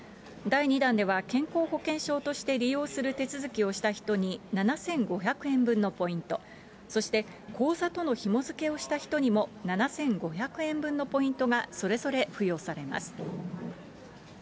第２弾では、健康保険証として利用する手続きをした人に７５００円分のポイント、そして、口座とのひもづけをした人にも７５００円分のポイントが、それぞれ付与されます。